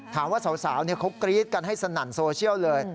ถามว่าสาวเขากรี๊ดกันให้สนั่นโซเชียลเลย